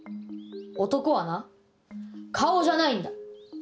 男はな顔じゃないんだ！